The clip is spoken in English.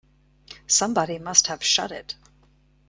Somebody must have shut it.